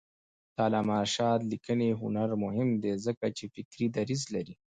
د علامه رشاد لیکنی هنر مهم دی ځکه چې فکري دریځ لري.